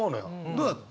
どうだった？